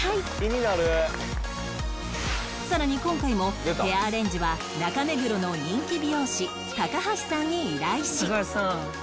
さらに今回もヘアアレンジは中目黒の人気美容師橋さんに依頼し